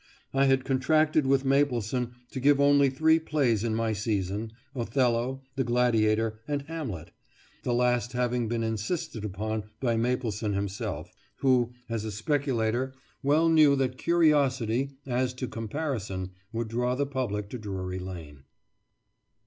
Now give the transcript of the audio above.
I had contracted with Mapleson to give only three plays in my season, "Othello," "The Gladiator," and "Hamlet," the last having been insisted upon by Mapleson himself, who, as a speculator, well knew that curiosity as to a Comparison would draw the public to Drury Lane.